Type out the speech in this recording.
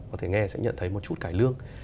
có thể nghe sẽ nhận thấy một chút cải lương